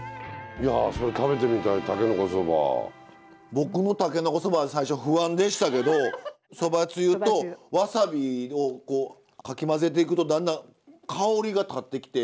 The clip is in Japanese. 僕もたけのこそば最初不安でしたけどそばつゆとわさびをかき混ぜていくとだんだん香りが立ってきて。